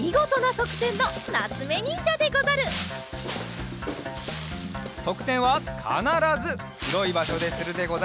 そくてんはかならずひろいばしょでするでござるぞ！